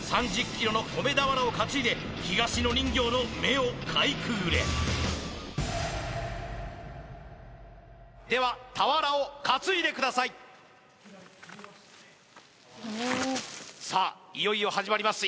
３０ｋｇの米俵を担いで東野人形の目をかいくぐれではさあいよいよ始まります